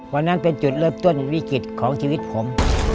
วันนั้นเป็นจุดเริ่มต้นวิกฤตของชีวิตผม